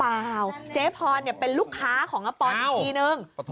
เปล่าเจ๊พรเป็นลูกค้าของปรนอีกทีหนึ่ง